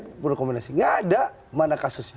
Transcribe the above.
seluruh rekomendasi tidak ada mana kasusnya